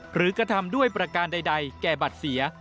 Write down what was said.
กระทำด้วยประการใดแก่บัตรเสีย